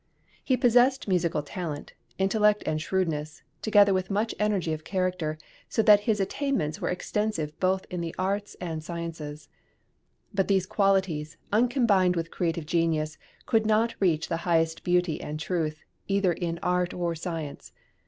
He possessed musical talent, intellect and shrewdness, together with much energy of character, so that his attainments were extensive both in the arts and sciences. {VOGLER's CHARACTER.} (389) But these qualities, uncombined with creative genius, could not reach the highest beauty and truth, either in art or science.